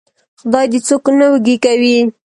خدای دې څوک نه وږي کوي.